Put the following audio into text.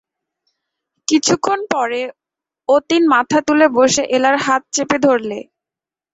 কিছুক্ষণ পরে অতীন মাথা তুলে বসে এলার হাত চেপে ধরলে।